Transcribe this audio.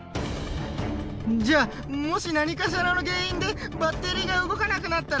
じゃあもし何かしらの原因でバッテリーが動かなくなったら？